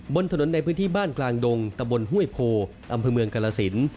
บนถนนในพื้นที่บ้านกลางดงตะบนห้วยโพอำเภอเมืองกรสิน